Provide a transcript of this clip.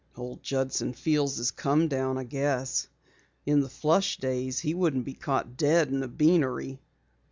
"Old Judson feels his come down I guess. In the flush days he wouldn't be caught dead in a beanery."